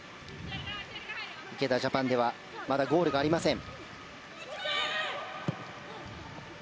ジャパンではまだゴールがありません。